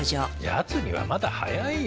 やつにはまだ早いよ。